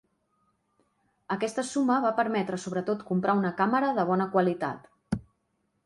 Aquesta suma va permetre sobretot comprar una càmera de bona qualitat.